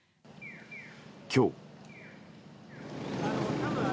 今日。